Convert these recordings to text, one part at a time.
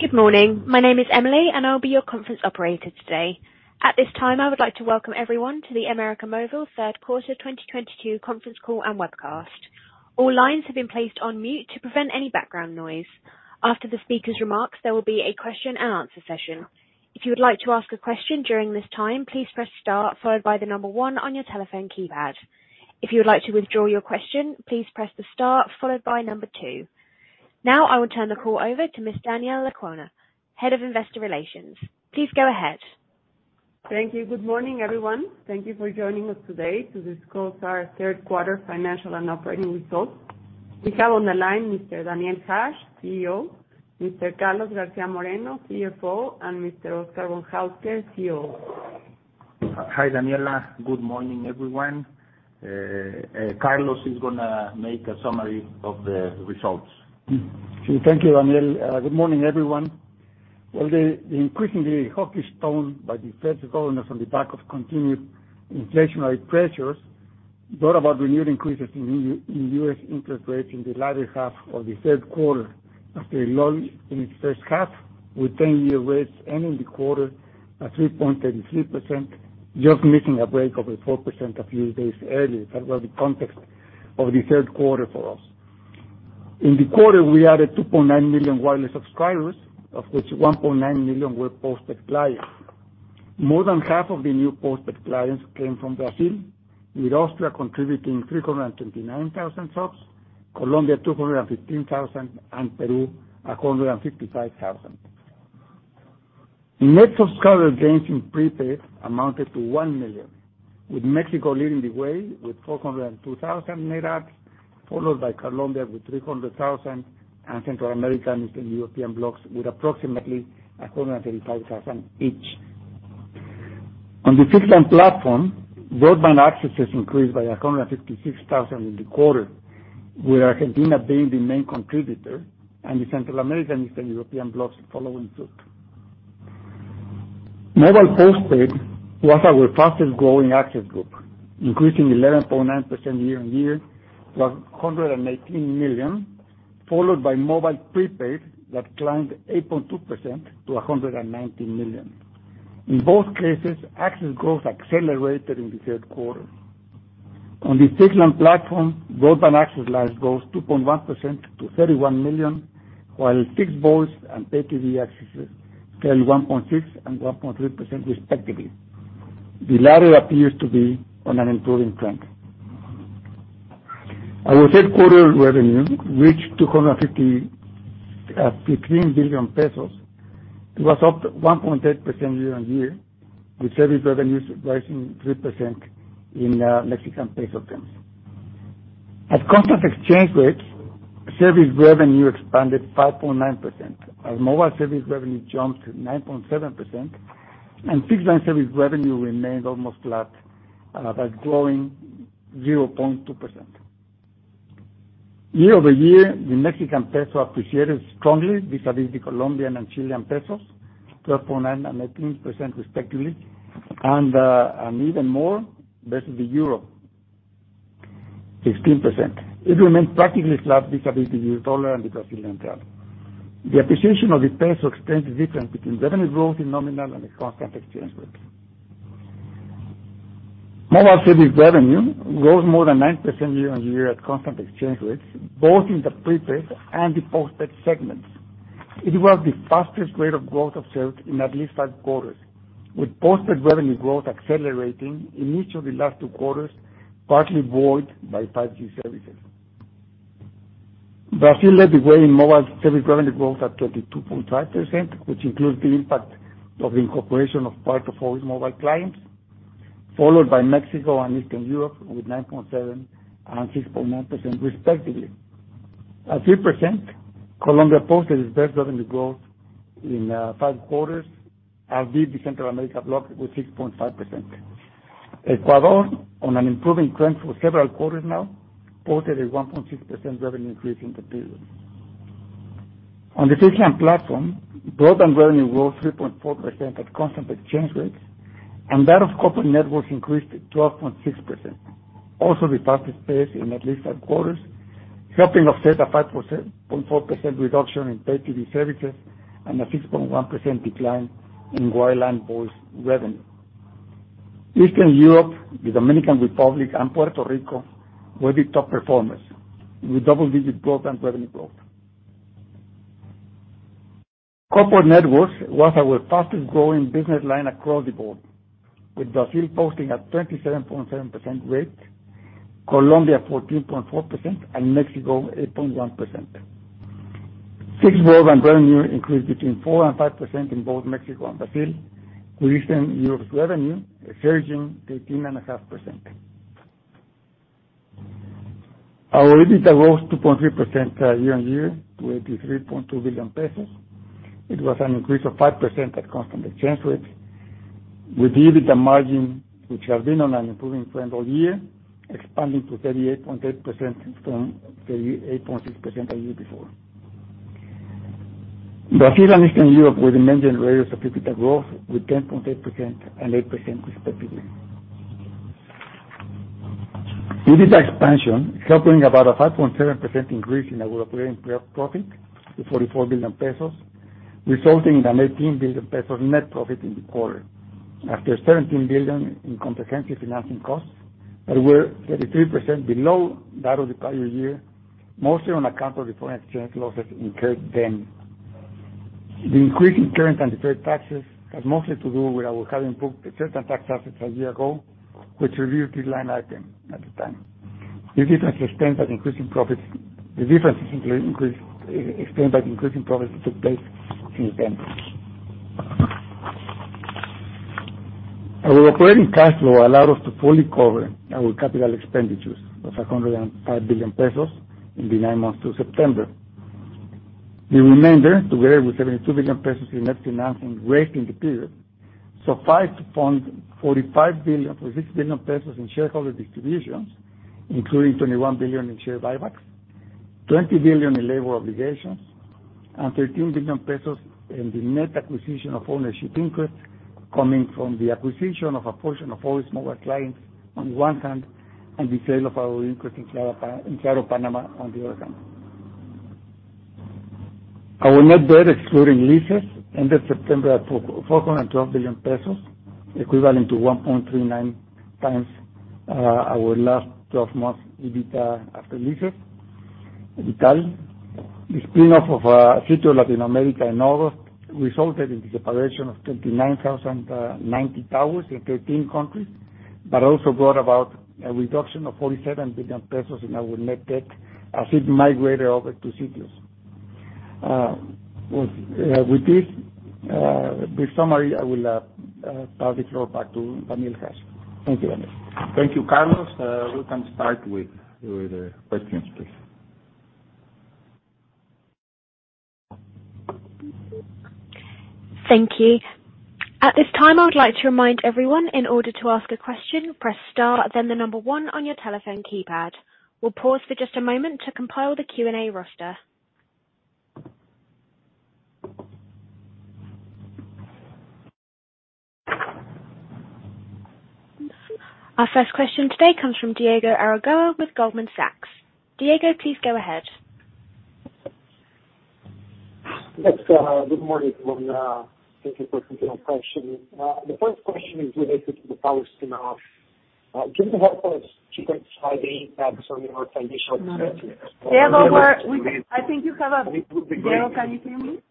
Good morning. My name is Emily, and I'll be your conference operator today. At this time, I would like to welcome everyone to the América Móvil third quarter 2022 conference call and webcast. All lines have been placed on mute to prevent any background noise. After the speaker's remarks, there will be a question-and-answer session. If you would like to ask a question during this time, please press star followed by the number one on your telephone keypad. If you would like to withdraw your question, please press the star followed by number two. Now I will turn the call over to Ms. Daniela Lecuona, Head of Investor Relations. Please go ahead. Thank you. Good morning, everyone. Thank you for joining us today to discuss our third quarter financial and operating results. We have on the line Mr. Daniel Hajj, CEO, Mr. Carlos García Moreno, CFO, and Mr. Oscar Von Hauske Solís, COO. Hi, Daniela. Good morning, everyone. Carlos is gonna make a summary of the results. Thank you, Daniel. Good morning, everyone. Well, the increasingly hawkish tone by the Federal Reserve on the back of continued inflationary pressures brought about renewed increases in U.S. interest rates in the latter half of the third quarter after a lull in its first half, with ten-year rates ending the quarter at 3.33%, just missing a break of the 4% a few days earlier. That was the context of the third quarter for us. In the quarter, we added 2.9 million wireless subscribers, of which 1.9 million were postpaid clients. More than half of the new postpaid clients came from Brazil, with Argentina contributing 329,000 subs, Colombia 215,000, and Peru 155,000. Net subscriber gains in prepaid amounted to 1 million, with Mexico leading the way with 402,000 net adds, followed by Colombia with 300,000 and Central America and Eastern European blocks with approximately 135,000 each. On the fixed-line platform, broadband accesses increased by 156,000 in the quarter, with Argentina being the main contributor and the Central American Eastern European blocks following suit. Mobile postpaid was our fastest growing access group, increasing 11.9% year-on-year to 118 million, followed by mobile prepaid that climbed 8.2% to 119 million. In both cases, access growth accelerated in the third quarter. On the fixed line platform, broadband access lines grows 2.1% to 31 million, while fixed voice and pay TV accesses scaled 1.6% and 1.3% respectively. The latter appears to be on an improving trend. Our third quarter revenue reached 251.5 billion pesos. It was up 1.8% year-over-year, with service revenues rising 3% in Mexican peso terms. At constant exchange rates, service revenue expanded 5.9%, as mobile service revenue jumped 9.7% and fixed line service revenue remained almost flat by growing 0.2%. Year-over-year, the Mexican peso appreciated strongly vis-à-vis the Colombian and Chilean pesos, 12.9% and 18% respectively, and even more versus the euro, 16%. It remained practically flat vis-à-vis the US dollar and the Brazilian real. The appreciation of the peso explains the difference between revenue growth in nominal and constant exchange rates. Mobile service revenue rose more than 9% year-on-year at constant exchange rates, both in the prepaid and the postpaid segments. It was the fastest rate of growth observed in at least five quarters, with postpaid revenue growth accelerating in each of the last two quarters, partly buoyed by 5G services. Brazil led the way in mobile service revenue growth at 22.5%, which includes the impact of the incorporation of part of Oi's mobile clients, followed by Mexico and Eastern Europe with 9.7% and 6.9% respectively. At 3%, Colombia posted its best revenue growth in five quarters, as did the Central America block with 6.5%. Ecuador, on an improving trend for several quarters now, posted a 1.6% revenue increase in the period. On the fixed line platform, broadband revenue rose 3.4% at constant exchange rates, and that of corporate networks increased 12.6%, also the fastest pace in at least five quarters, helping offset a 5.4% reduction in pay TV services and a 6.1% decline in wireline voice revenue. Eastern Europe, the Dominican Republic, and Puerto Rico were the top performers, with double-digit growth and revenue growth. Corporate networks was our fastest growing business line across the board, with Brazil posting a 27.7% rate, Colombia 14.4%, and Mexico 8.1%. Fixed voice and revenue increased between 4% and 5% in both Mexico and Brazil, with Eastern Europe's revenue surging to 18.5%. Our OIBDA rose 2.3% year-on-year to 83.2 billion pesos. It was an increase of 5% at constant exchange rates, with OIBDA margin, which has been on an improving trend all year, expanding to 38.8% from 38.6% a year before. Brazil and Eastern Europe were the main generators of EBITDA growth with 10.8% and 8% respectively. EBITDA expansion helping about a 5.7% increase in our operating profit to 44 billion pesos, resulting in an 18 billion pesos net profit in the quarter, after 17 billion in comprehensive financing costs that were 33% below that of the prior year, mostly on account of the foreign exchange losses incurred then. The increase in current and deferred taxes has mostly to do with our having booked certain tax assets a year ago, which reversed this line item at the time. The difference is explained by the increase in profits that took place then. Our operating cash flow allowed us to fully cover our capital expenditures of 105 billion pesos in the nine months to September. The remainder, together with 72 billion pesos in net financing raised in the period, suffice to fund 45 billion or 60 billion pesos in shareholder distributions, including 21 billion in share buybacks, 20 billion in labor obligations and 13 billion pesos in the net acquisition of ownership interest coming from the acquisition of a portion of four smaller clients on one hand and the sale of our interest in Claro Panamá on the other hand. Our net debt excluding leases ended September at 412 billion pesos, equivalent to 1.39 times our last twelve months EBITDA after leases, EBITDA-L. The spin-off of Sitios Latinoamérica in August resulted in the separation of 39,090 towers in thirteen countries, but also brought about a reduction of 47 billion pesos in our net debt as it migrated over to Sitios Latinoamérica's. With this summary, I will pass the floor back to Daniel Hajj. Thank you, Daniel. Thank you, Carlos. We can start with the questions please. Thank you. At this time, I would like to remind everyone, in order to ask a question, press star then the number one on your telephone keypad. We'll pause for just a moment to compile the Q&A roster. Our first question today comes from Diego Aragão with Goldman Sachs. Diego, please go ahead. Yes, good morning. Thank you for taking my question. The first question is related to the tower spin-off. Can you help us to identify the impacts on your financial- No. Diego, can you hear me?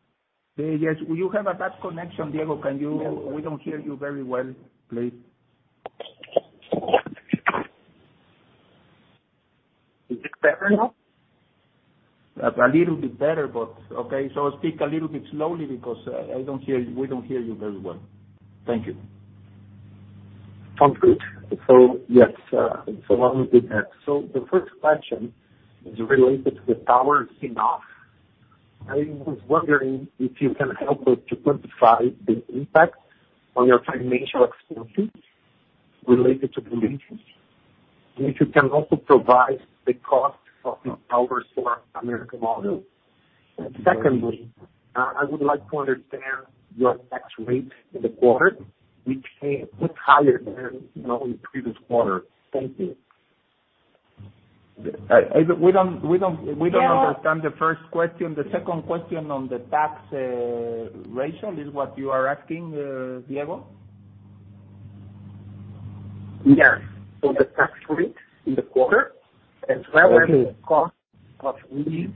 Yes. You have a bad connection, Diego. We don't hear you very well. Please. Is it better now? A little bit better, but okay. Speak a little bit slowly because I don't hear you, we don't hear you very well. Thank you. Sounds good. Yes, let me begin. The first question is related to the tower spin-off. I was wondering if you can help us to quantify the impact on your financial exposures related to the leases. If you can also provide the cost of the tower for América Móvil. Secondly, I would like to understand your tax rate in the quarter, which was higher than, you know, in previous quarter. Thank you. We don't understand the first question. The second question on the tax ratio is what you are asking, Diego? Yes. The tax rate in the quarter as well. Okay. As the cost of lease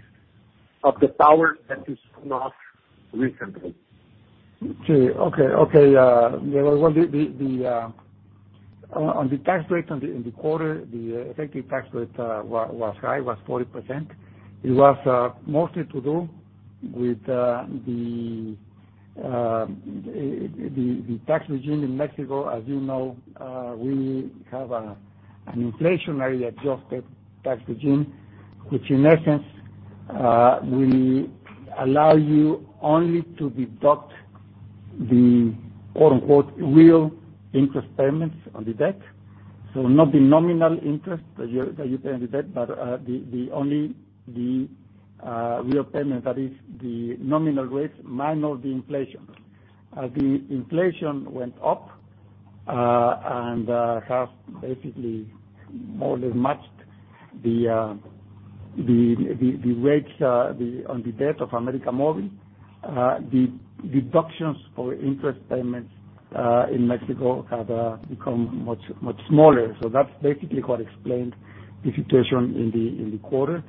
of the towers that you spun off recently. Okay, the tax rate in the quarter, the effective tax rate was high, was 40%. It was mostly to do with the tax regime in Mexico. As you know, we have an inflationary adjusted tax regime, which in essence will allow you only to deduct the quote-unquote "real interest payments" on the debt. Not the nominal interest that you pay on the debt, but the real payment, that is the nominal rates minus the inflation. The inflation went up and has basically more or less matched the rates on the debt of América Móvil. The deductions for interest payments in Mexico have become much smaller. That's basically what explained the situation in the quarter.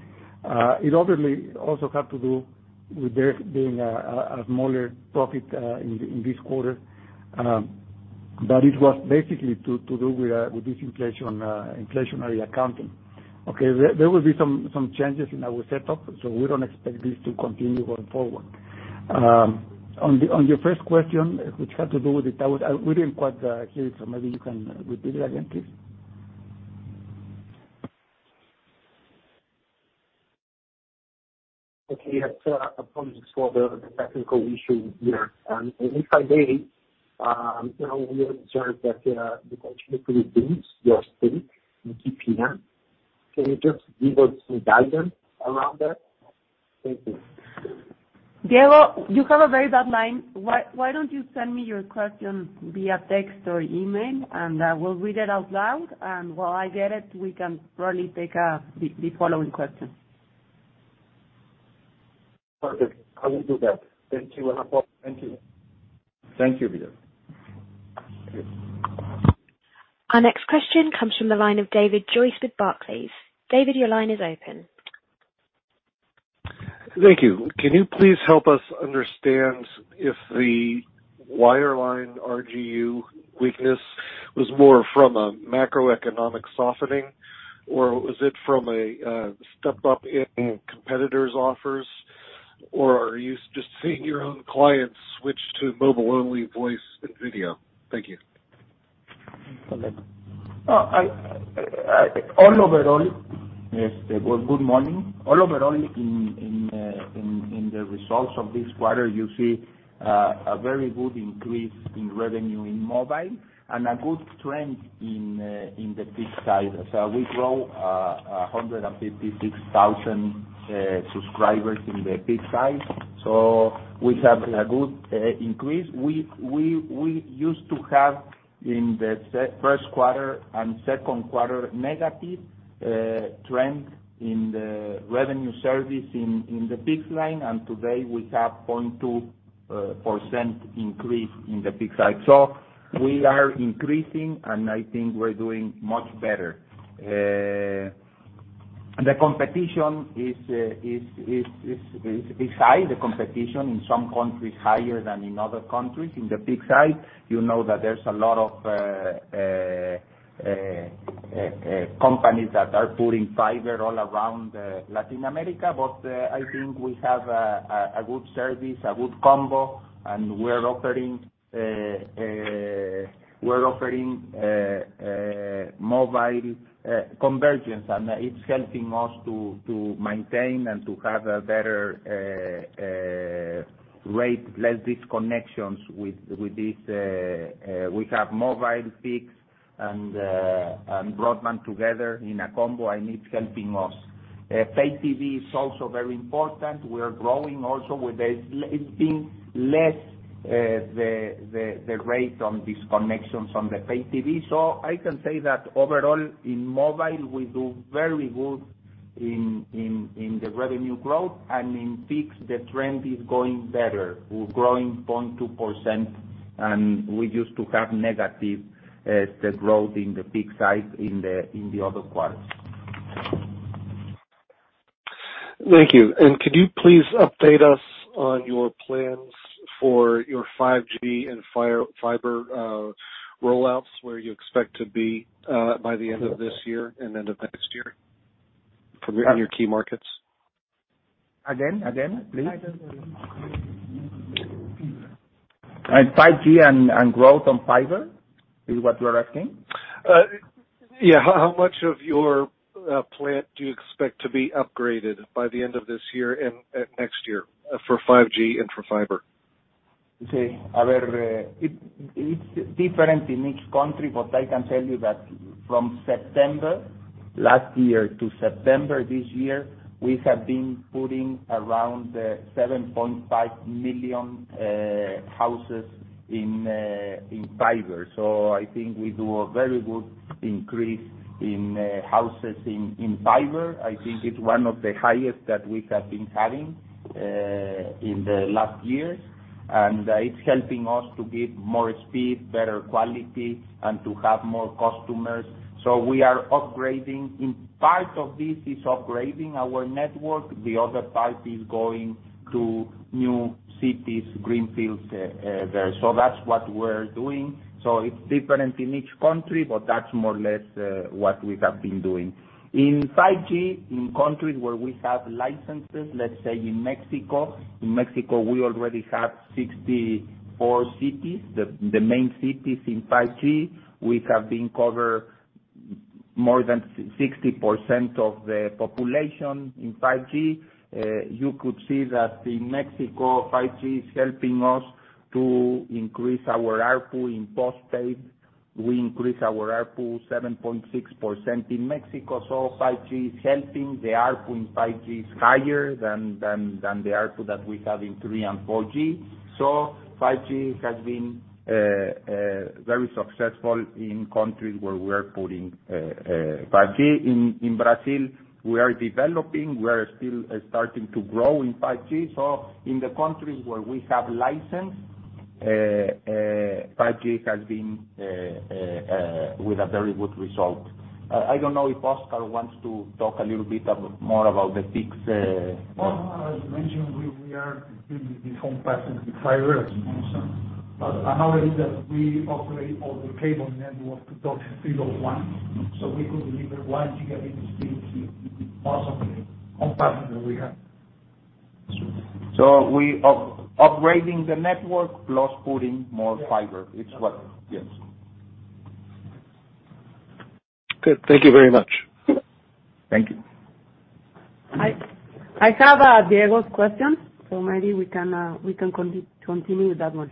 It obviously also have to do with there being a smaller profit in this quarter, but it was basically to do with this inflationary accounting. Okay, there will be some changes in our setup. We don't expect this to continue going forward. On your first question, which had to do with the tower, we didn't quite hear it. Maybe you can repeat it again, please. Okay. Yes. Apologies for the technical issue here. If I may, you know, we observed that you contributed to your stake in KPN. Can you just give us some guidance around that? Thank you. Diego, you have a very bad line. Why don't you send me your question via text or email, and we'll read it out loud, and while I get it, we can probably take the following question. Perfect. I will do that. Thank you. Thank you. Thank you, Diego. Our next question comes from the line of David Joyce with Barclays. David, your line is open. Thank you. Can you please help us understand if the wireline RGU weakness was more from a macroeconomic softening, or was it from a step-up in competitors' offers, or are you just seeing your own clients switch to mobile-only voice and video? Thank you. All overall, yes, David, good morning. All overall, in the results of this quarter, you see a very good increase in revenue in mobile and a good trend in the fixed side. We grow 156,000 subscribers in the fixed side, so we have a good increase. We used to have, in the first quarter and second quarter, negative trend in the revenue service in the fixed line, and today we have 0.2% increase in the fixed side. We are increasing, and I think we're doing much better. The competition is high, the competition in some countries higher than in other countries in the fixed side. You know that there's a lot of companies that are putting fiber all around Latin America. I think we have a good service, a good combo, and we're offering mobile convergence, and it's helping us to maintain and to have a better rate, less disconnections with this. We have mobile fixed and broadband together in a combo and it's helping us. Pay TV is also very important. We are growing also with this. It's been less the rate on disconnections on the pay TV. I can say that overall in mobile we do very good in the revenue growth. In fixed the trend is going better. We're growing 0.2% and we used to have negative, the growth in the fixed side in the other quarters. Thank you. Could you please update us on your plans for your 5G and fiber roll-outs, where you expect to be by the end of this year and end of next year on your key markets? Again, please. 5G 5G and growth on fiber is what you are asking? How much of your plan do you expect to be upgraded by the end of this year and next year for 5G and for fiber? Okay. A ver, it's different in each country, but I can tell you that from September last year to September this year, we have been putting around 7.5 million houses in fiber. I think we do a very good increase in houses in fiber. I think it's one of the highest that we have been having in the last years. It's helping us to give more speed, better quality, and to have more customers. We are upgrading. In part of this is upgrading our network, the other part is going to new cities, greenfields there. That's what we're doing. It's different in each country, but that's more or less what we have been doing. In 5G, in countries where we have licenses, let's say in Mexico, we already have 64 cities. The main cities in 5G, we have been covering more than 60% of the population in 5G. You could see that in Mexico 5G is helping us to increase our ARPU in postpaid. We increase our ARPU 7.6% in Mexico. 5G is helping. The ARPU in 5G is higher than the ARPU that we have in 3G and 4G. 5G has been very successful in countries where we are putting 5G. In Brazil, we are developing, we are still starting to grow in 5G. In the countries where we have license, 5G has been with a very good result. I don't know if Oscar wants to talk a little bit more about the fixed. Well, as mentioned, we are doing this home passing with fiber at this moment. Another is that we operate all the cable network to DOCSIS 3.1. We could deliver 1 Gbps speed possibly on fiber that we have. We upgrading the network plus putting more fiber. Yes. Yes. Good. Thank you very much. Thank you. I have Diego's question, so maybe we can continue with that one.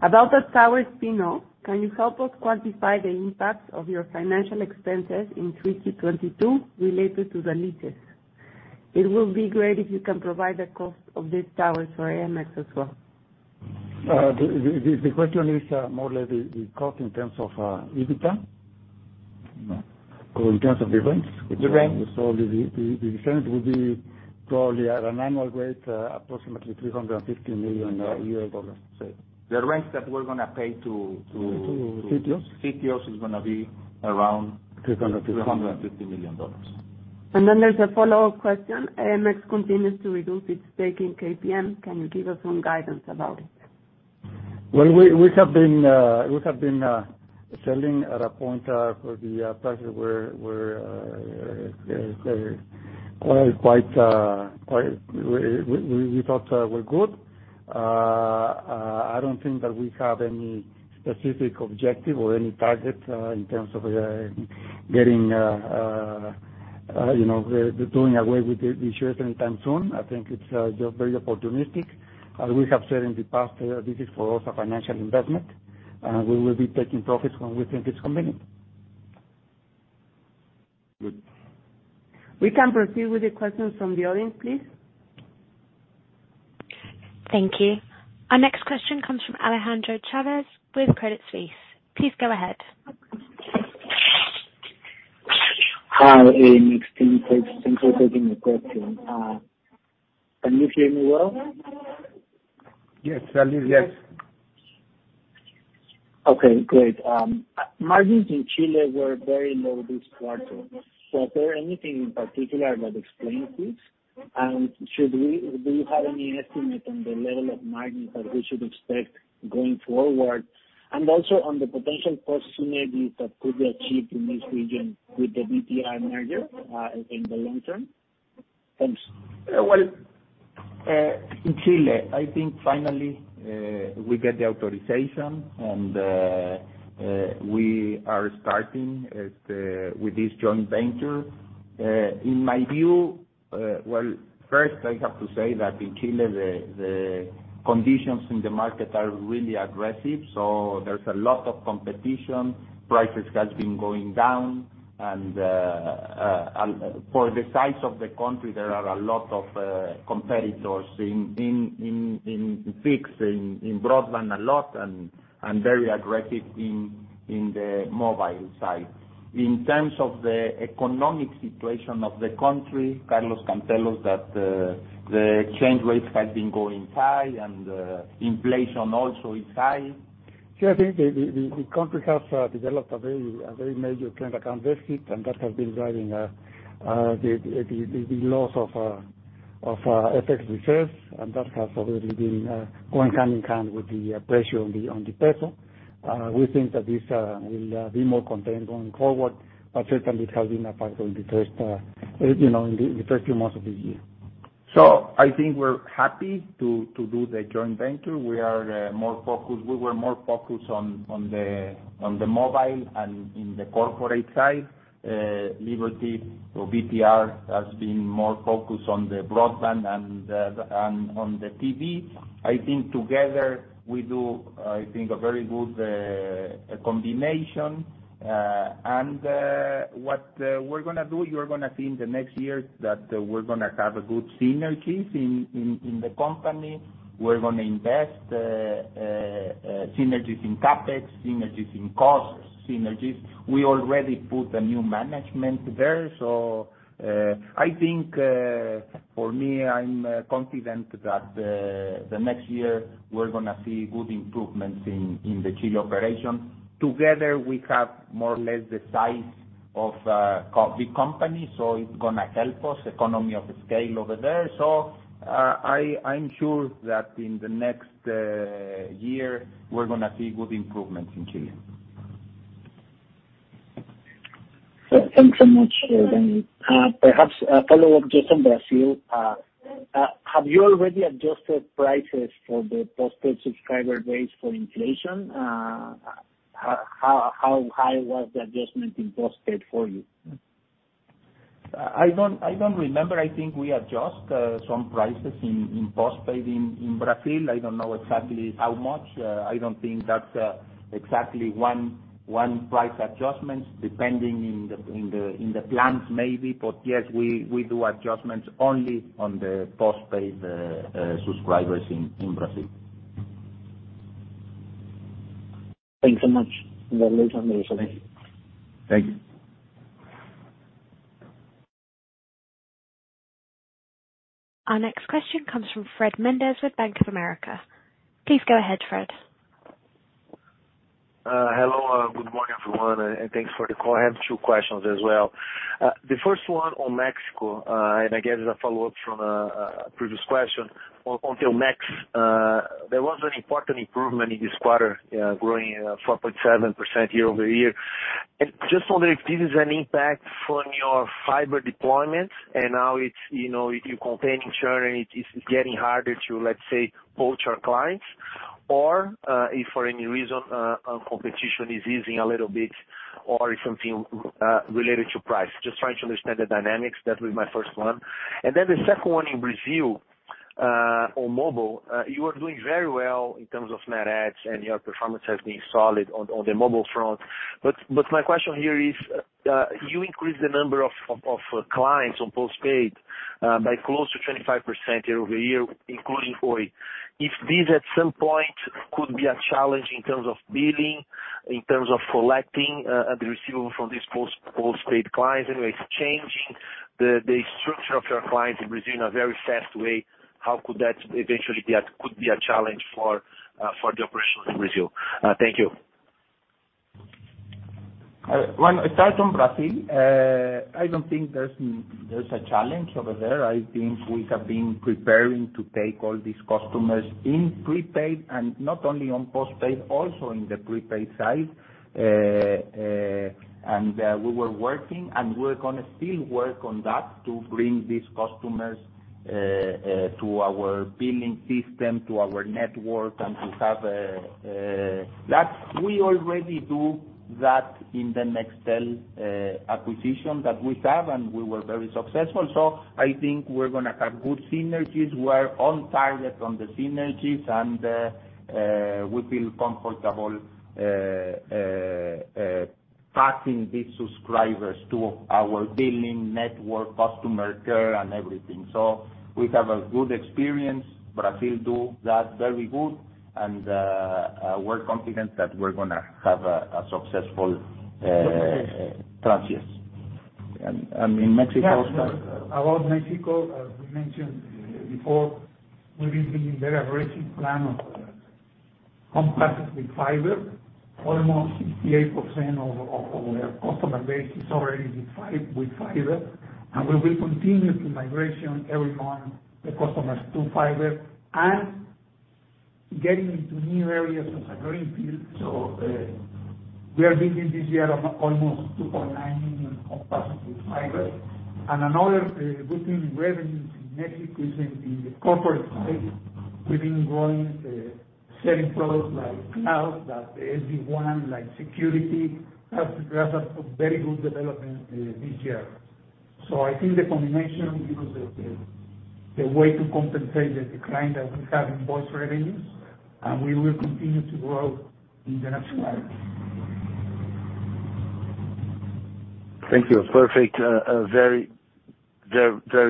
About the tower spin-off, can you help us quantify the impact of your financial expenses in 3Q22 related to the leases? It will be great if you can provide the cost of these towers for AMX as well. The question is more or less the cost in terms of EBITDA? No. In terms of the rents? The rent. The rent would be probably at an annual rate, approximately $350 million. The rents that we're gonna pay to. To Sitios. Sitios is gonna be around. 350. $350 million. There's a follow-up question. AMX continues to reduce its stake in KPN, can you give us some guidance about it? Well, we have been selling at prices where we thought were quite good. I don't think that we have any specific objective or any target in terms of you know doing away with the shares anytime soon. I think it's very opportunistic. As we have said in the past, this is for us a financial investment, and we will be taking profits when we think it's convenient. Good. We can proceed with the questions from the audience, please. Thank you. Our next question comes from Alejandro Chavelas with Credit Suisse. Please go ahead. Hi, AMX team. Thanks for taking the question. Can you hear me well? Yes. Alex, yes. Okay, great. Margins in Chile were very low this quarter. Is there anything in particular that explains this? Do you have any estimate on the level of margins that we should expect going forward? Also on the potential costs maybe that could be achieved in this region with the VTR merger, in the long term? Thanks. Well, in Chile, I think finally we get the authorization and we are starting with this joint venture. In my view, well, first, I have to say that in Chile, the conditions in the market are really aggressive, so there's a lot of competition. Prices has been going down and for the size of the country, there are a lot of competitors in fixed broadband a lot and very aggressive in the mobile side. In terms of the economic situation of the country, Carlos can tell us that the exchange rate has been going high and inflation also is high. Yeah, I think the country has developed a very major current account deficit, and that has been driving the loss of FX reserves, and that has already been going hand-in-hand with the pressure on the peso. We think that this will be more contained going forward, but certainly it has been a factor in the first, you know, in the first few months of this year. I think we're happy to do the joint venture. We were more focused on the mobile and in the corporate side. Liberty or VTR has been more focused on the broadband and on the TV. I think together we do a very good combination. What we're gonna do, you're gonna see in the next years that we're gonna have a good synergies in the company. We're gonna invest synergies in CapEx, synergies in costs, synergies. We already put a new management there. I think for me I'm confident that the next year we're gonna see good improvements in the Chile operation. Together, we have more or less the size of a big company, so it's gonna help us, economy of scale over there. I'm sure that in the next year, we're gonna see good improvements in Chile. Thanks so much. Perhaps a follow-up just on Brazil. Have you already adjusted prices for the postpaid subscriber base for inflation? How high was the adjustment in postpaid for you? I don't remember. I think we adjust some prices in postpaid in Brazil. I don't know exactly how much. I don't think that's exactly one price adjustments depending on the plans maybe. Yes, we do adjustments only on the postpaid subscribers in Brazil. Thanks so much. That was amazingly. Thank you. Our next question comes from Fred Mendes with Bank of America. Please go ahead, Fred. Hello. Good morning, everyone, and thanks for the call. I have two questions as well. The first one on Mexico, and again, as a follow-up from a previous question. On Telmex, there was an important improvement in this quarter, growing 4.7% year-over-year. Just wondering if this is an impact from your fiber deployments and now it's, you know, you're containing churn, it is getting harder to, let's say, poach your clients. If for any reason competition is easing a little bit or if something related to price. Just trying to understand the dynamics. That was my first one. Then the second one in Brazil on mobile you are doing very well in terms of net adds and your performance has been solid on the mobile front. My question here is you increased the number of clients on postpaid by close to 25% year-over-year including Oi. If this at some point could be a challenge in terms of billing in terms of collecting the receivable from these postpaid clients anyway it's changing the structure of your clients in Brazil in a very fast way. How could that eventually be a challenge for the operations in Brazil? Thank you. Well, it starts on Brazil. I don't think there's a challenge over there. I think we have been preparing to take all these customers in prepaid and not only on postpaid, also in the prepaid side. We were working and we're gonna still work on that to bring these customers to our billing system, to our network and that we already do that in the Nextel acquisition that we have, and we were very successful. I think we're gonna have good synergies. We're on target on the synergies and we feel comfortable passing these subscribers to our billing network, customer care and everything. We have a good experience. Brazil do that very good. We're confident that we're gonna have a successful transition. In Mexico. Yeah. About Mexico, as we mentioned before, we've been in the aggressive plan of capacities with fiber. Almost 68% of our customer base is already with fiber, and we will continue to migration every month the customers to fiber and getting into new areas as a greenfield. We are building this year almost 2.9 million of capacity with fiber. Another good thing in revenues in Mexico is in the corporate space. We've been growing, selling products like cloud, like SD-WAN, like security, have addressed a very good development, this year. I think the combination will be the way to compensate the decline that we have in voice revenues, and we will continue to grow in the national areas. Thank you. Perfect. Very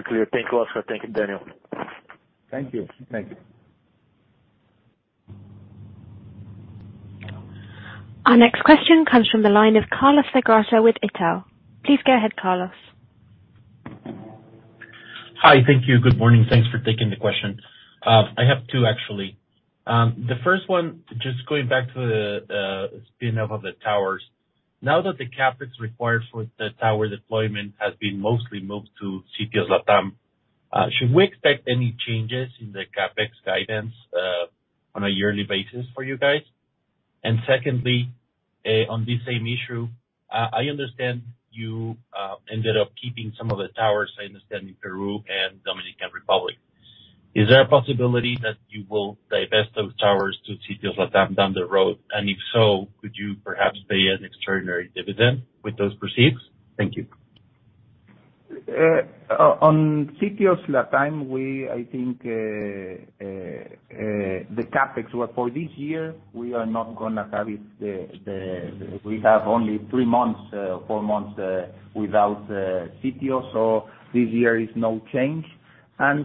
clear. Thank you, Oscar. Thank you, Daniel. Thank you. Thank you. Our next question comes from the line of Carlos Legarreta with Itaú. Please go ahead, Carlos. Hi. Thank you. Good morning. Thanks for taking the question. I have two, actually. The first one, just going back to the spin-off of the towers. Now that the CapEx required for the tower deployment has been mostly moved to Sitios Latam, should we expect any changes in the CapEx guidance on a yearly basis for you guys? And secondly, on this same issue, I understand you ended up keeping some of the towers, I understand, in Peru and Dominican Republic. Is there a possibility that you will divest those towers to Sitios Latam down the road? And if so, could you perhaps pay an extraordinary dividend with those proceeds? Thank you. On Sitios Latam, I think the CapEx for this year, we are not gonna have it. We have only three months, four months without Sitios, so this year is no change.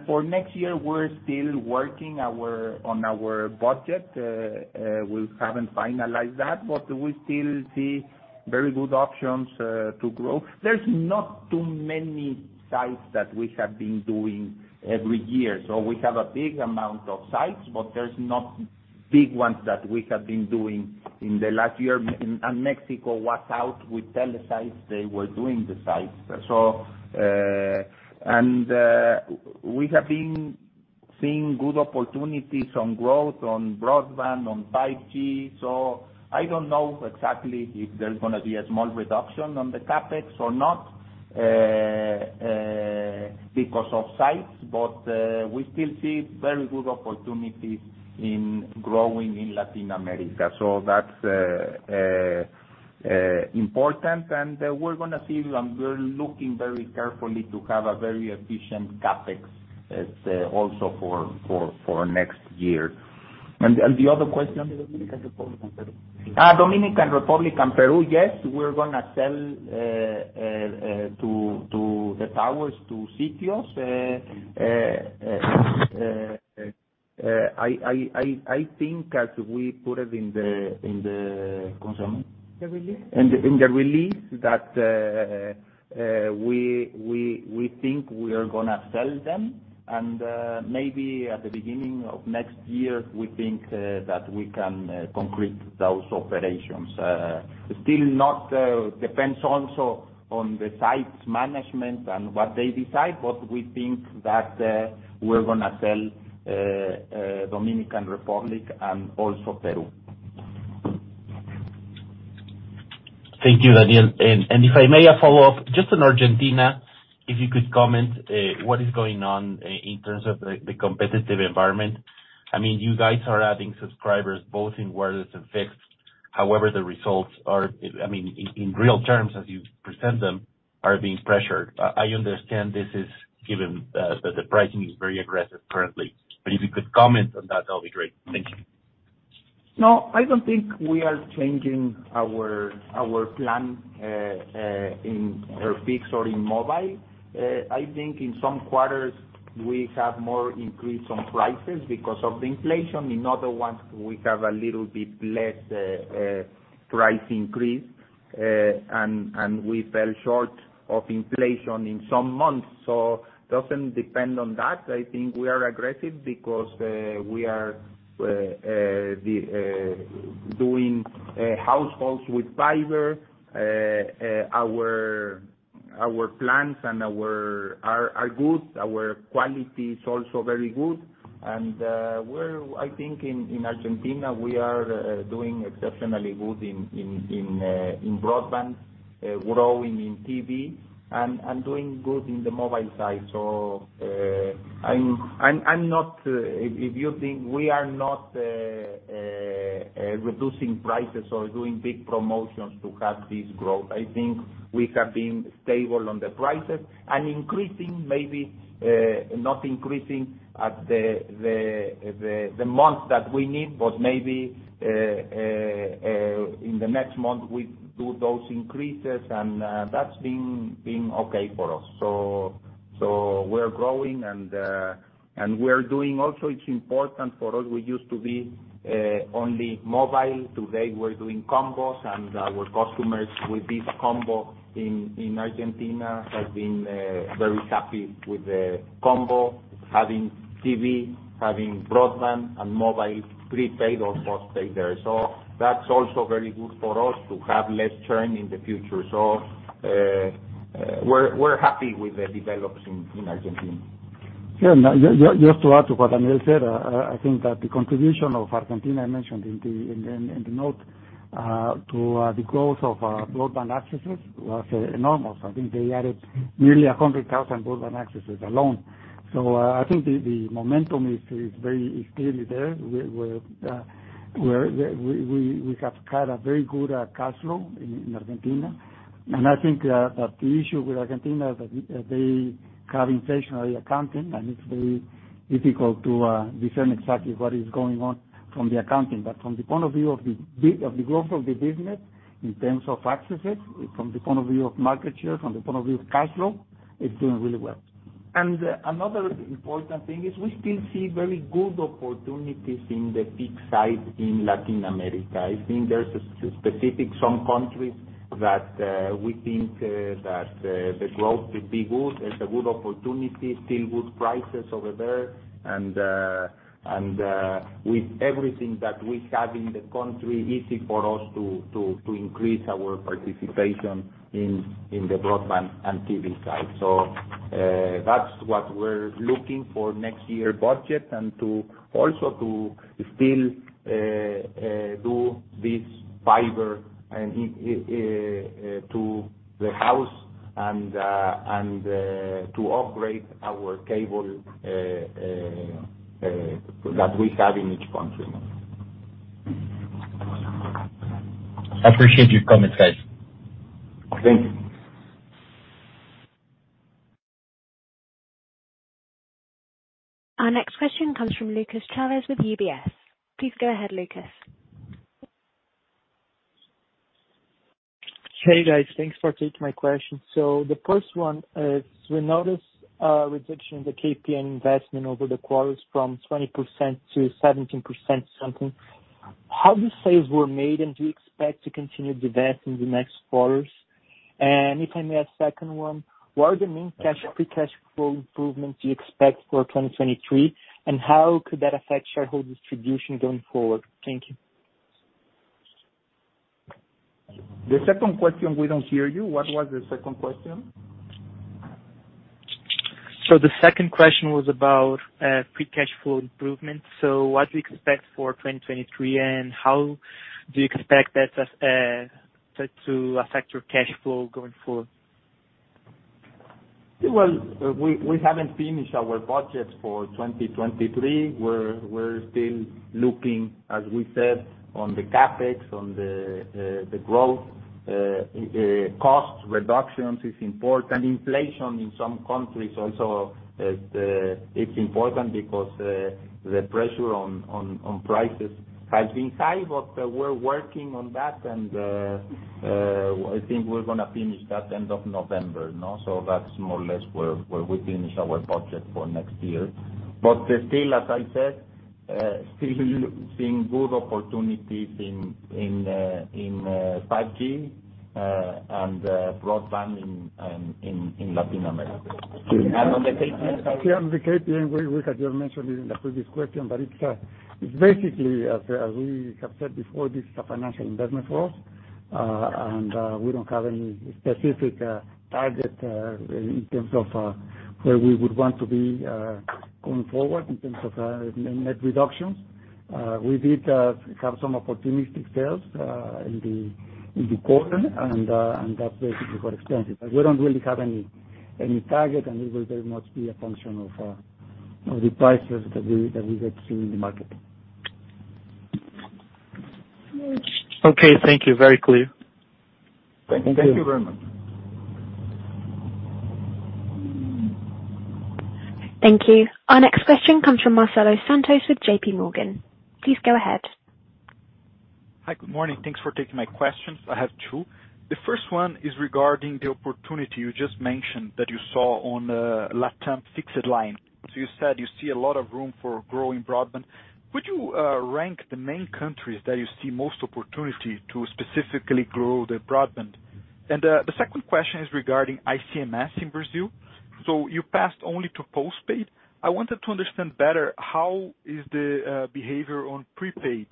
For next year, we're still working on our budget. We haven't finalized that, but we still see very good options to grow. There's not too many sites that we have been doing every year. We have a big amount of sites, but there's not big ones that we have been doing in the last year. Mexico was out with Telesites. They were doing the sites. We have been seeing good opportunities on growth on broadband, on 5G. I don't know exactly if there's gonna be a small reduction on the CapEx or not, because of Sitios, but we still see very good opportunities in growing in Latin America. That's important. We're gonna see, and we're looking very carefully to have a very efficient CapEx, also for next year. The other question? Dominican Republic and Peru. Dominican Republic and Peru, yes. We're gonna sell the towers to Sitios. I think as we put it in the consumer- The release. In the release that we think we are gonna sell them and maybe at the beginning of next year we think that we can complete those operations. Still, it depends also on the Sitios management and what they decide, but we think that we're gonna sell Dominican Republic and also Peru. Thank you, Daniel. If I may follow up, just on Argentina, if you could comment what is going on in terms of the competitive environment. I mean, you guys are adding subscribers both in wireless and fixed. However, the results are, I mean, in real terms as you present them, being pressured. I understand this is given that the pricing is very aggressive currently, but if you could comment on that'll be great. Thank you. No, I don't think we are changing our plan in our fixed or in mobile. I think in some quarters, we have more increase on prices because of the inflation. In other ones, we have a little bit less price increase. And we fell short of inflation in some months. Doesn't depend on that. I think we are aggressive because we are doing households with fiber. Our plans and ours are good. Our quality is also very good. I think in Argentina, we are doing exceptionally good in broadband, growing in TV and doing good in the mobile side. I'm not reducing prices or doing big promotions to have this growth. I think we have been stable on the prices and increasing maybe not increasing at the month that we need. Maybe in the next month, we do those increases and that's been okay for us. We're growing and we're doing also, it's important for us. We used to be only mobile. Today, we're doing combos and our customers with this combo in Argentina have been very happy with the combo, having TV, having broadband and mobile prepaid or postpaid there. That's also very good for us to have less churn in the future. We're happy with the developments in Argentina. Yeah. Now, just to add to what Daniel said, I think that the contribution of Argentina I mentioned in the note to the growth of broadband accesses was enormous. I think they added nearly 100,000 broadband accesses alone. I think the momentum is very clearly there. We have had a very good cash flow in Argentina. I think that the issue with Argentina is that they have inflationary accounting, and it's very difficult to determine exactly what is going on from the accounting. From the point of view of the growth of the business in terms of accesses, from the point of view of market share, from the point of view of cash flow, it's doing really well. Another important thing is we still see very good opportunities in the fixed side in Latin America. I think in some specific countries that we think that the growth will be good. There's a good opportunity, still good prices over there. With everything that we have in the country, easy for us to increase our participation in the broadband and TV side. That's what we're looking for next year's budget and to also still do this fiber to the house and to upgrade our cable that we have in each country. I appreciate your comments, guys. Thank you. Our next question comes from Lucas Brendim with Bank of America. Please go ahead, Luca. Hey, guys. Thanks for taking my question. The first one is we notice a reduction in the CapEx investment over the quarters from 20% to 17% something. How the savings were made, and do you expect to continue to invest in the next quarters? If I may ask second one, what are the main cash free cash flow improvements you expect for 2023? How could that affect shareholder distribution going forward? Thank you. The second question, we don't hear you. What was the second question? The second question was about free cash flow improvements. What do you expect for 2023, and how do you expect that to affect your cash flow going forward? Well, we haven't finished our budget for 2023. We're still looking, as we said, on the CapEx, on the growth. Cost reductions is important. Inflation in some countries also, it's important because the pressure on prices has been high. We're working on that and, I think we're gonna finish that end of November, you know. That's more or less where we finish our budget for next year. Still, as I said, still seeing good opportunities in 5G and broadband in Latin America. On the CapEx. Yeah, on the CapEx, we had just mentioned it in the previous question, but it's basically, as we have said before, this is a financial investment for us. We don't have any specific target in terms of where we would want to be going forward in terms of net reductions. We did have some opportunistic sales in the quarter and that's basically what explains it. We don't really have any target, and it will very much be a function of the prices that we get to in the market. Okay, thank you. Very clear. Thank you very much. Thank you. Our next question comes from Marcelo Santos with JP Morgan. Please go ahead. Hi. Good morning. Thanks for taking my questions. I have two. The first one is regarding the opportunity you just mentioned that you saw on LatAm fixed line. You said you see a lot of room for growing broadband. Could you rank the main countries that you see most opportunity to specifically grow the broadband? The second question is regarding ICMS in Brazil. You passed only to postpaid. I wanted to understand better how is the behavior on prepaid.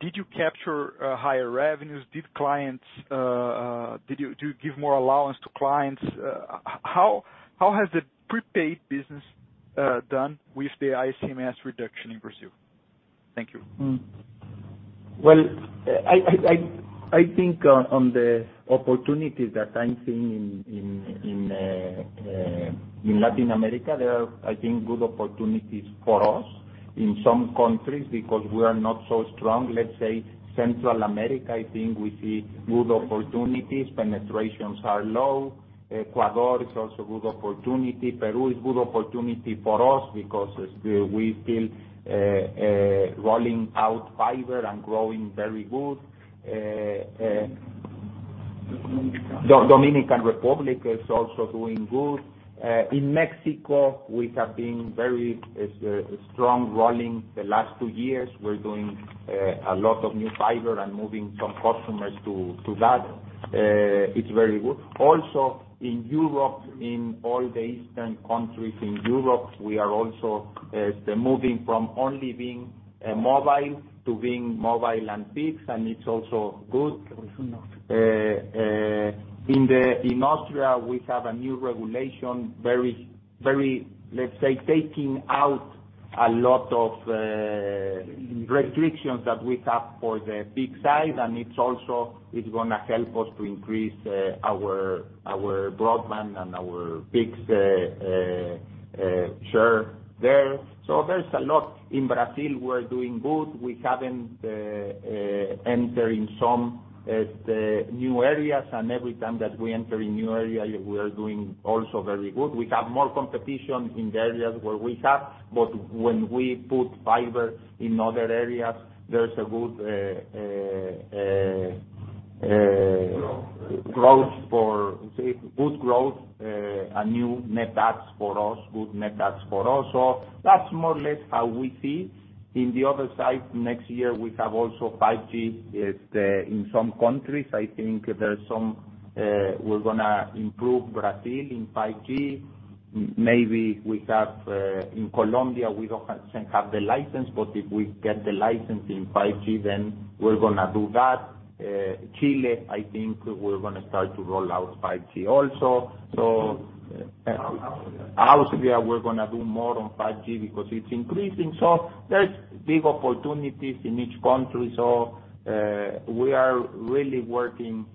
Did you capture higher revenues? Did you give more allowance to clients? How has the prepaid business done with the ICMS reduction in Brazil? Thank you. Well, I think on the opportunities that I'm seeing in Latin America, there are, I think, good opportunities for us in some countries because we are not so strong. Let's say Central America, I think we see good opportunities. Penetrations are low. Ecuador is also good opportunity. Peru is good opportunity for us because we still rolling out fiber and growing very good. Dominican Republic is also doing good. In Mexico, we have been very strong rolling the last two years. We're doing a lot of new fiber and moving some customers to that. It's very good. Also in Europe, in all the eastern countries in Europe, we are also moving from only being mobile to being mobile and fixed, and it's also good. In Austria, we have a new regulation, very, let's say, taking out a lot of restrictions that we have for the fixed side, and it's also gonna help us to increase our broadband and our fixed share there. There's a lot. In Brazil, we're doing good. We haven't enter in some new areas. Every time that we enter in new area, we are doing also very good. We have more competition in the areas where we have, but when we put fiber in other areas, there's good growth and good net adds for us. That's more or less how we see. On the other side, next year we have also 5G in some countries. I think there's some we're gonna improve Brazil in 5G. Maybe we have in Colombia, we don't have the license, but if we get the license in 5G, then we're gonna do that. Chile, I think we're gonna start to roll out 5G also. Obviously, we're gonna do more on 5G because it's increasing. There's big opportunities in each country. We are really working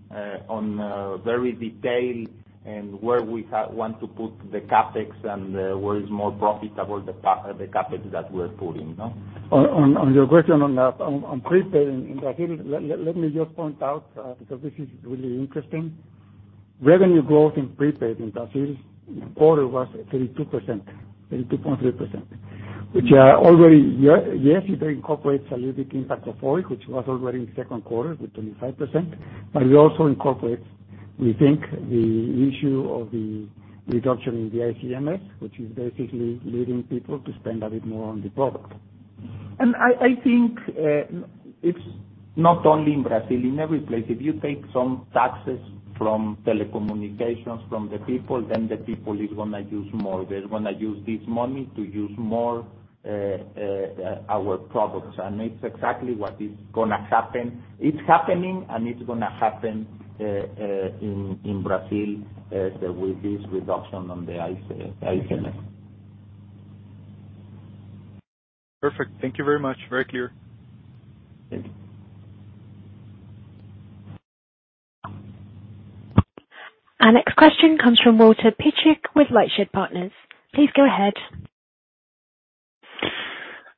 on very detail and where we want to put the CapEx and where is more profitable the CapEx that we're putting. No? On your question on prepaid in Brazil, let me just point out because this is really interesting. Revenue growth in prepaid in Brazil in quarter was 32%, 32.3%, which already yes it incorporates a little impact of Oi, which was already in second quarter with 25%. It also incorporates, we think, the issue of the reduction in the ICMS, which is basically leading people to spend a bit more on the product. I think it's not only in Brazil, in every place, if you take some taxes from telecommunications from the people, then the people is gonna use more. They're gonna use this money to use more our products. It's exactly what is gonna happen. It's happening and it's gonna happen in Brazil with this reduction on the ICMS. Perfect. Thank you very much. Very clear. Thank you. Our next question comes from Walter Piecyk with LightShed Partners. Please go ahead.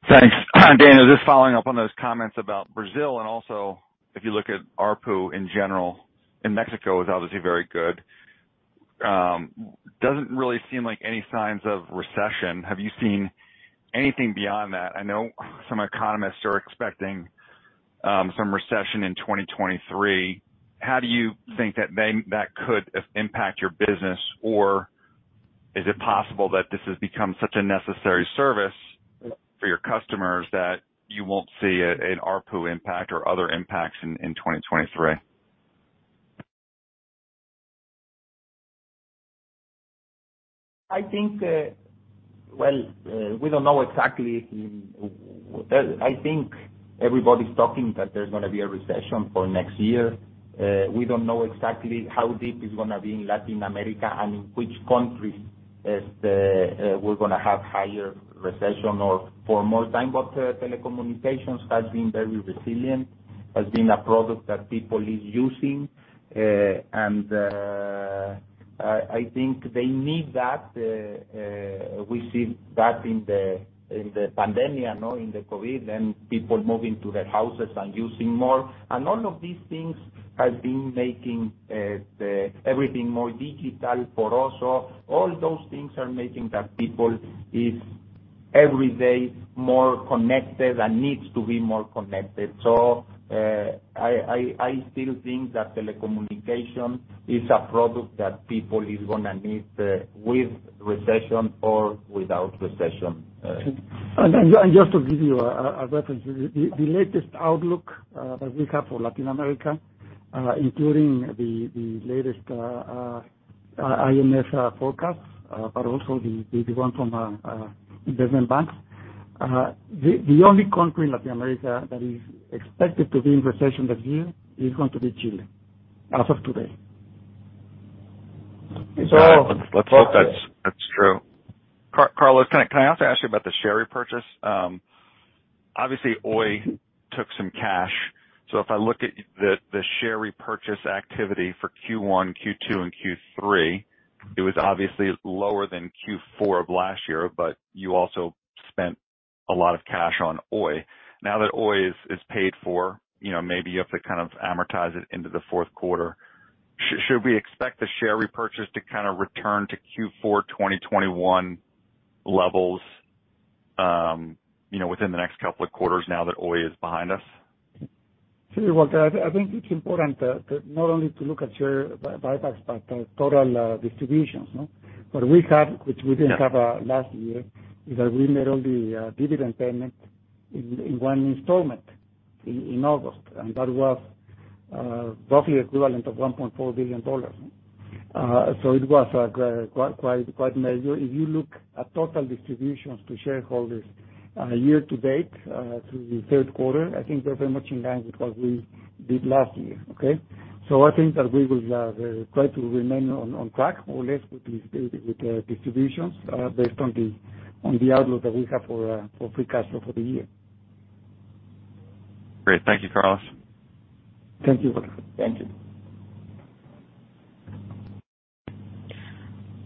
Thanks. Dan, just following up on those comments about Brazil and also if you look at ARPU in general, and Mexico is obviously very good. Doesn't really seem like any signs of recession. Have you seen anything beyond that? I know some economists are expecting some recession in 2023. How do you think that could impact your business? Or is it possible that this has become such a necessary service for your customers that you won't see an ARPU impact or other impacts in 2023? I think, well, we don't know exactly. I think everybody's talking that there's gonna be a recession for next year. We don't know exactly how deep it's gonna be in Latin America and in which countries as to whether we're gonna have higher recession or for more time. Telecommunications has been very resilient, has been a product that people is using. I think they need that. We see that in the pandemic, you know, in the COVID, and people moving to their houses and using more. All of these things have been making everything more digital for us. All those things are making that people is every day more connected and needs to be more connected. I still think that telecommunication is a product that people is gonna need, with recession or without recession. Just to give you a reference, the latest outlook that we have for Latin America, including the latest IMF forecast, but also the one from investment banks. The only country in Latin America that is expected to be in recession that year is going to be Chile, as of today. Let's hope that's true. Carlos, can I also ask you about the share repurchase? Obviously, Oi took some cash. If I look at the share repurchase activity for Q1, Q2, and Q3, it was obviously lower than Q4 of last year, but you also spent a lot of cash on Oi. Now that Oi is paid for, you know, maybe you have to kind of amortize it into the fourth quarter. Should we expect the share repurchase to kind of return to Q4 2021 levels, you know, within the next couple of quarters now that Oi is behind us? Sure. Well, I think it's important to not only look at your buybacks, but total distributions, no? What we have, which we didn't have last year, is that we made all the dividend payment in one installment in August, and that was roughly equivalent of $1.4 billion. It was quite major. If you look at total distributions to shareholders year to date through the third quarter, I think they're very much in line with what we did last year. Okay? I think that we will try to remain on track more or less with the distributions based on the outlook that we have for free cash flow for the year. Great. Thank you, Carlos. Thank you. Thank you.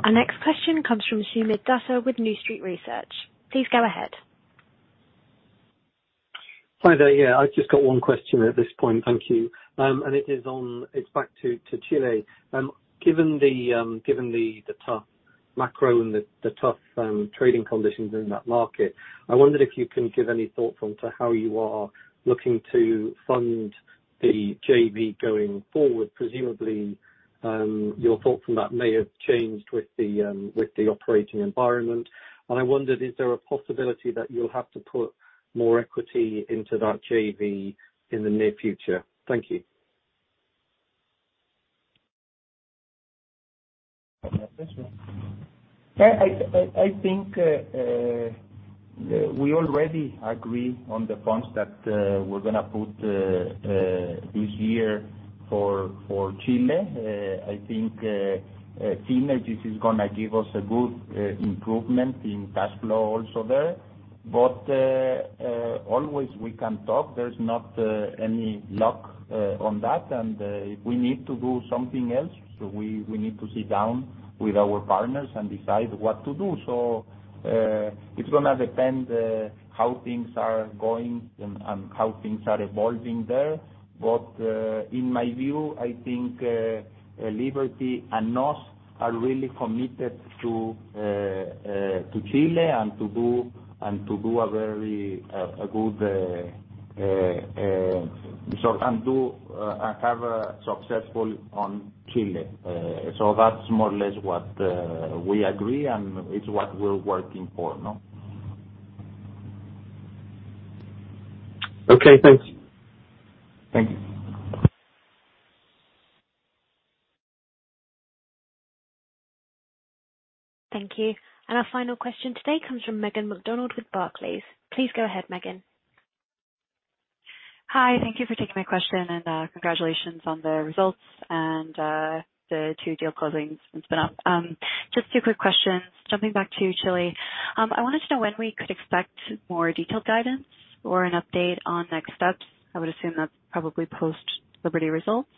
Our next question comes from Phani Kanumuri with New Street Research. Please go ahead. Hi there. Yeah, I've just got one question at this point. Thank you. It is on, it's back to Chile. Given the tough macro and the tough trading conditions in that market, I wondered if you can give any thoughts on to how you are looking to fund the JV going forward. Presumably, your thoughts on that may have changed with the operating environment. I wondered, is there a possibility that you'll have to put more equity into that JV in the near future? Thank you. I think we already agree on the funds that we're gonna put this year for Chile. I think synergies is gonna give us a good improvement in cash flow also there. Always we can talk. There's not any lock on that. If we need to do something else, so we need to sit down with our partners and decide what to do. It's gonna depend how things are going and how things are evolving there. In my view, I think Liberty and NOS are really committed to Chile and to do a very good job and have success in Chile. That's more or less what we agree, and it's what we're working for. No? Okay, thanks. Thank you. Thank you. Our final question today comes from Stefan Styk with Barclays. Please go ahead, Stefan. Hi. Thank you for taking my question, and congratulations on the results and the two deal closings and spin off. Just two quick questions. Jumping back to Chile, I wanted to know when we could expect more detailed guidance or an update on next steps. I would assume that's probably post Liberty results.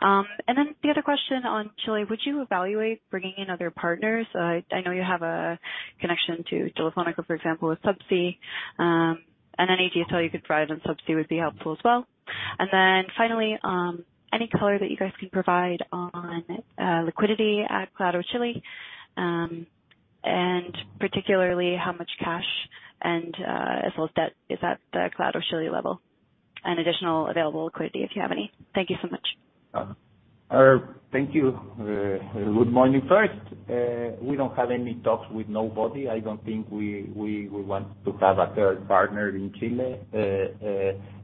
The other question on Chile, would you evaluate bringing in other partners? I know you have a connection to Telefónica, for example, with Subsea. Any detail you could provide on Subsea would be helpful as well. Finally, any color that you guys can provide on liquidity at Claro Chile, and particularly how much cash and as well as debt is at the Claro Chile level, and additional available liquidity, if you have any. Thank you so much. Thank you. Good morning. First, we don't have any talks with nobody. I don't think we would want to have a third partner in Chile.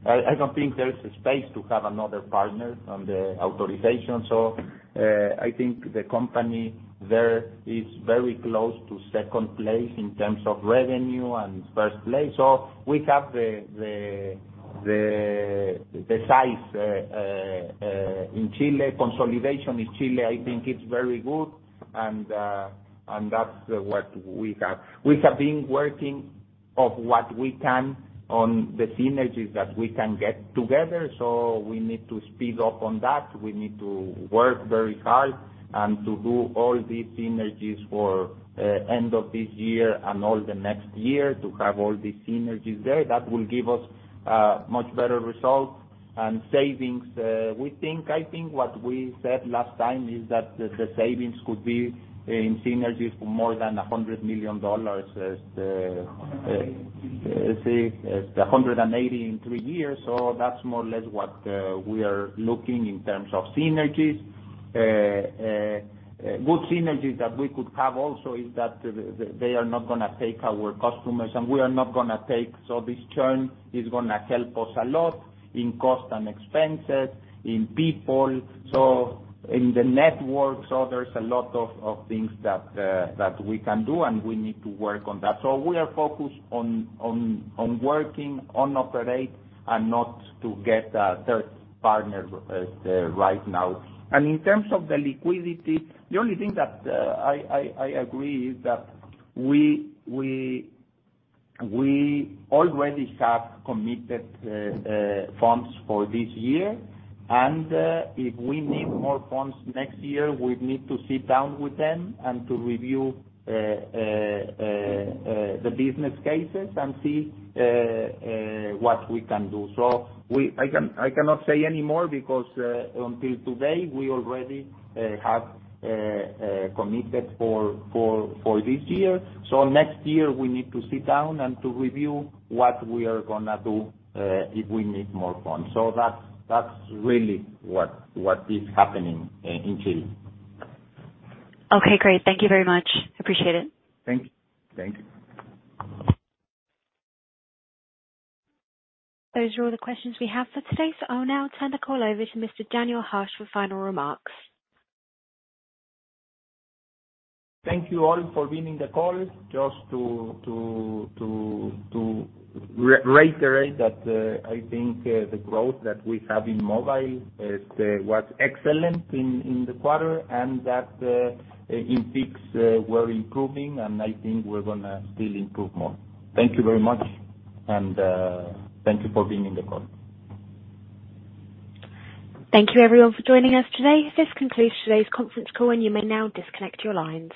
I don't think there is a space to have another partner on the authorization. I think the company there is very close to second place in terms of revenue and first place. We have the size in Chile. Consolidation in Chile, I think it's very good, and that's what we have. We have been working on what we can on the synergies that we can get together. We need to speed up on that. We need to work very hard and to do all these synergies for end of this year and all the next year to have all these synergies there. That will give us much better results and savings. We think. I think what we said last time is that the savings could be in synergies for more than $100 million as the- 180. Let's see. It's 180 in three years, so that's more or less what we are looking in terms of synergies. Good synergies that we could have also is that they are not gonna take our customers, and we are not gonna take. This churn is gonna help us a lot in cost and expenses, in people, so in the network. There's a lot of things that we can do, and we need to work on that. We are focused on working on operations and not to get a third partner right now. In terms of the liquidity, the only thing that I agree is that we already have committed funds for this year. If we need more funds next year, we'd need to sit down with them and to review the business cases and see what we can do. I cannot say any more because until today, we already have committed for this year. Next year we need to sit down and to review what we are gonna do if we need more funds. That's really what is happening in Chile. Okay, great. Thank you very much. Appreciate it. Thank you. Thank you. Those are all the questions we have for today, so I'll now turn the call over to Mr. Daniel Hajj for final remarks. Thank you all for being in the call. Just to reiterate that, I think the growth that we have in mobile was excellent in the quarter, and that in fixed, we're improving, and I think we're gonna still improve more. Thank you very much, and thank you for being in the call. Thank you, everyone, for joining us today. This concludes today's conference call, and you may now disconnect your lines.